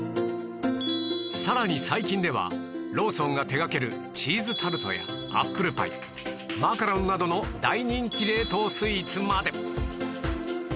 さらに最近ではローソンが手掛けるチーズタルトやアップルパイマカロンなどの大人気冷凍スイーツまで